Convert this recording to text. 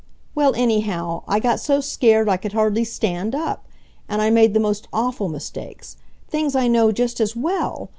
"Well, anyhow, I got so scared I could hardly STAND up! And I made the most awful mistakes—things I know just as WELL!